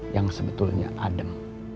yang sebetulnya adem